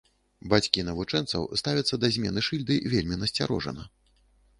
Бацькі навучэнцаў ставяцца да змены шыльды вельмі насцярожана.